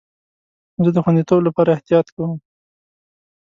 زه د خوندیتوب لپاره احتیاط کوم.